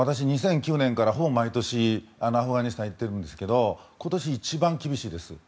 私、２００９年からほぼ毎年アフガニスタンに行ってるんですが今年、一番厳しいです。